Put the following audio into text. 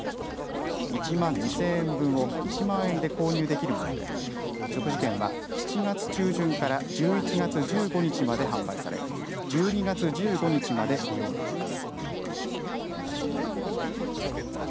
１万２０００円分を１万円で購入できるもので食事券は７月中旬から１１月１５日まで販売され１２月１５日まで利用できます。